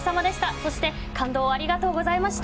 そして感動をありがとうございました。